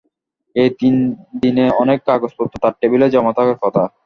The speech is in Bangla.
এই তিন দিনে অনেক কাগজপত্র তাঁর টেবিলে জমা থাকার কথা।